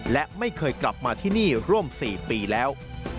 และไม่เคยกลับมาที่นี่ร่วม๔ปีแล้ว